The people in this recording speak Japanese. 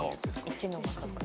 １の方が。